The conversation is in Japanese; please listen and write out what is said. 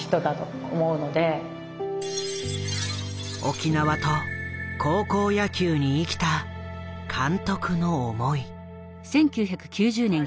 沖縄と高校野球に生きた監督の思い。